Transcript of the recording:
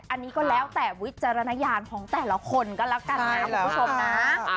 อันนี้ก็แล้วแต่วิจารณญาณของแต่ละคนก็แล้วกันนะคุณผู้ชมนะ